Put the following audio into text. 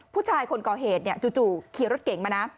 ผู้ชายคนก่อเหตุจู่ขี่รถเก๋งมานะ